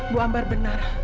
bu ambar benar